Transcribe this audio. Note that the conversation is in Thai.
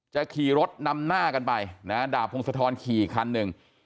ขี่รถนำหน้ากันไปนะฮะดาบพงศธรขี่อีกคันหนึ่ง